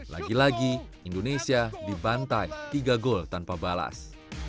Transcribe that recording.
lagi lagi indonesia dibantai tiga gol tanpa balas